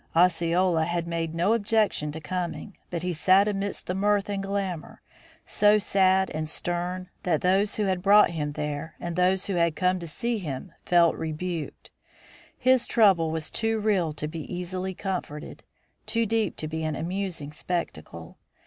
Osceola had made no objection to coming, but he sat amidst the mirth and glamor, so sad and stern that those who had brought him there and those who had come to see him felt rebuked. His trouble was too real to be easily comforted, too deep to be an amusing spectacle.